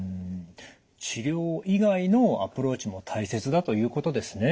治療以外のアプローチも大切だということですね。